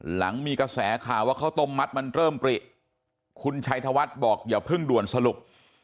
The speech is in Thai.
หลังมีกระแสข่าวว่าข้าวต้มมัดมันเริ่มปริคุณชัยธวัฒน์บอกอย่าเพิ่งด่วนสรุป